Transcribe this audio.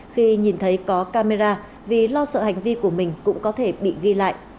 khi nhìn thấy có camera vì lo sợ hành vi của mình cũng có thể bị ghi lại